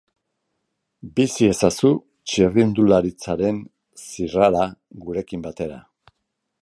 Bizi ezazu txirrindularitzaren zirrara gurekin batera.